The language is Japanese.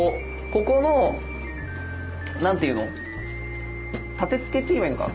ここの何て言うの立てつけって言えばいいのかな